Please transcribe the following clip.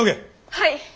はい。